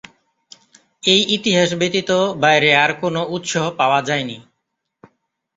এই ইতিহাস ব্যতীত বাইরে আর কোন উৎস পাওয়া যায়নি।